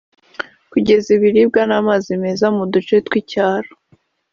kugeza ibiribwa n’amazi meza mu duce tw’icyaro